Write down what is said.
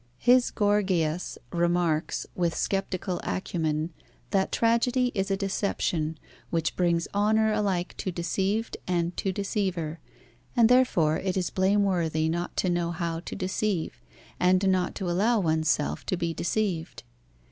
His Gorgias remarks with sceptical acumen, that tragedy is a deception, which brings honour alike to deceived and to deceiver, and therefore it is blameworthy not to know how to deceive and not to allow oneself to be deceived.